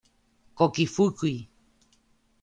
Koki Fukui